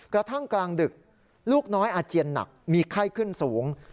กระทั่งกลางดึกลูกน้อยอาเจียนหนักมีไข้ขึ้นสูง